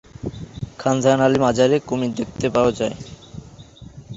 আয়শা বলে যে সে এখনো তাকে ভালোবাসে।